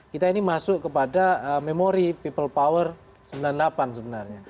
kita ini masuk kepada memori people power sembilan puluh delapan sebenarnya